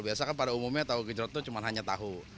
biasanya pada umumnya tahu gejrot itu cuma hanya tahu